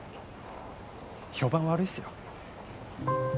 評判悪いっすよ。